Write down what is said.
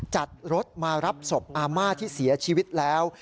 จัดรถมารับศพอาม่าที่เสียชีวิตแล้ว